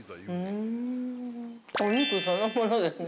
◆お肉そのものですね。